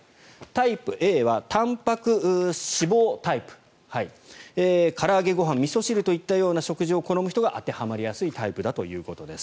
タイプＡはたんぱく・脂肪タイプ。から揚げ、ごはんみそ汁といったような食事を好む人が当てはまりやすいタイプだということです。